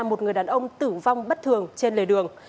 một người đàn ông tử vong bất thường trên lề đường